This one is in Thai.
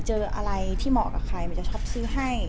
เจออะไรที่เหมาะกับใครมันจะชอบซื้อให้